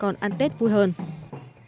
cảm ơn các bạn đã theo dõi và hẹn gặp lại